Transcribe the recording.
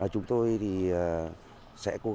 chúng tôi sẽ cố gắng